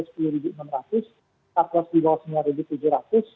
katlos di bawah sembilan ribu tujuh ratus